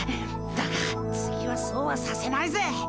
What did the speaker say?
だが次はそうはさせないぜ！